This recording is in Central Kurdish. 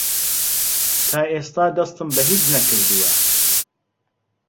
تا ئێستا دەستم بە هیچ نەکردووە.